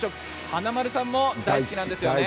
華丸さんも大好きなんですよね。